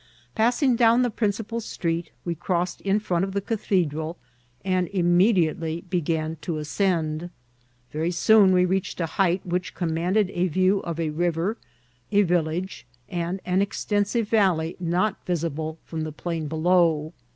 Passing down the principal street, we crossed in front of the Cathedral, and immediately began to as cend. Very soon we reached a height which com manded a view of a river, a village, and an extensive valley not visible from the plain below.